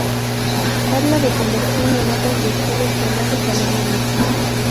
Tabla de conversión de notas de Chile a notas Alemanas